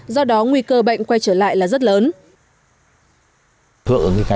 do đó nguy cơ bệnh quay trở lại là rất lớn